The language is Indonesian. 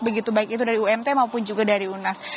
begitu baik itu dari umt maupun juga dari unas